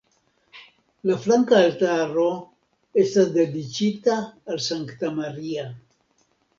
La flanka altaro estas dediĉita al Sankta Maria.